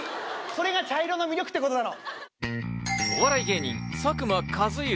これが茶色の魅力ってことなの。